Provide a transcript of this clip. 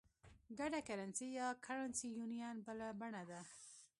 ګډه کرنسي یا Currency Union بله بڼه ده.